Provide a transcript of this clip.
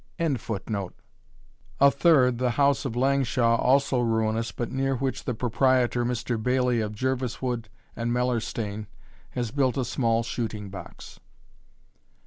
] a third, the house of Langshaw, also ruinous, but near which the proprietor, Mr. Baillie of Jerviswood and Mellerstain, has built a small shooting box.